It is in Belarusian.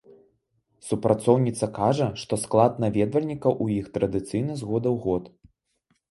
Супрацоўніца кажа, што склад наведвальнікаў у іх традыцыйны з года ў год.